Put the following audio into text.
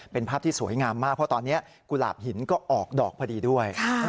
เป็นภาพที่สวยงามมากเพราะตอนนี้กุหลาบหินก็ออกดอกพอดีด้วย